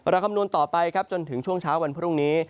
คำนวณต่อไปครับจนถึงช่วงเช้าวันพรุ่งนี้